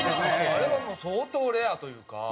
あれはもう相当レアというか。